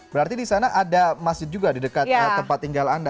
berarti di sana ada masjid juga di dekat tempat tinggal anda